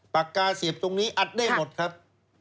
ปากกาเสียบตรงนี้อัดได้หมดครับ